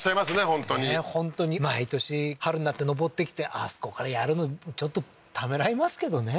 本当に本当に毎年春になって上ってきてあそこからやるのちょっとためらいますけどね